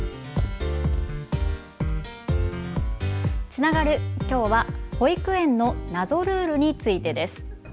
つながる、きょうは保育園の謎ルールについてです。